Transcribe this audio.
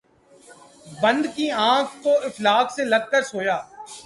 بند کی آنکھ ، تو افلاک سے لگ کر سویا